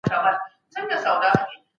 مناسب کارونه انسان ته خوښي بخښي.